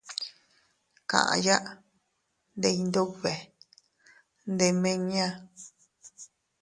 Kaʼya ndi Iyndube, ndimiña.